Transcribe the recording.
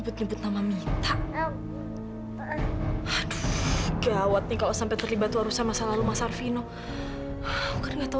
sampai jumpa di video selanjutnya